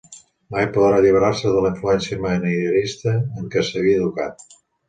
Mai podrà alliberar-se de la influència manierista en què s'havia educat.